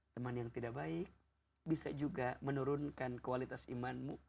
teman yang tidak baik bisa juga menurunkan kualitas imanmu